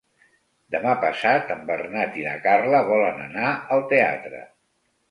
Demà passat en Bernat i na Carla volen anar al teatre.